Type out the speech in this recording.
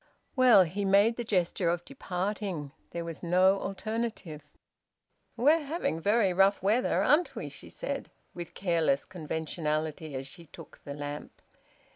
"Well " He made the gesture of departing. There was no alternative. "We're having very rough weather, aren't we?" she said, with careless conventionality, as she took the lamp.